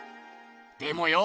でもよ